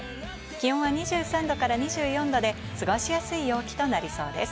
気温は２３度から２４度で過ごしやすい陽気となりそうです。